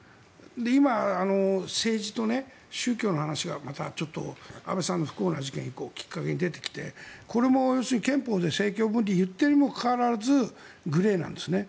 今、政治と宗教の話がまたちょっと安倍さんの不幸な事件以降きっかけに出てきてこれも憲法で政教分離を言っているにもかかわらずグレーなんですね。